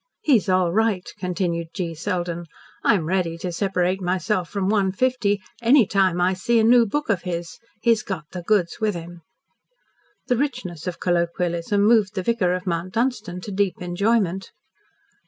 "He's all right," continued G. Selden. "I'm ready to separate myself from one fifty any time I see a new book of his. He's got the goods with him." The richness of colloquialism moved the vicar of Mount Dunstan to deep enjoyment.